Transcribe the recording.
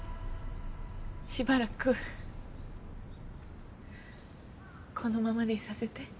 しばらくこのままでいさせて。